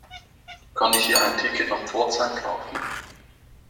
Kann ich hier ein Ticket nach Pforzheim kaufen?